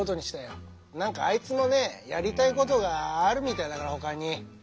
何かあいつもねやりたいことがあるみたいだからほかに。